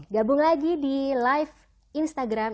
gabung lagi di live instagram